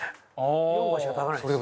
４合しか食べないです。